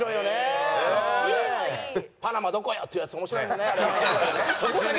「パナマどこよ！？」っていうやつ面白いもんねあれね。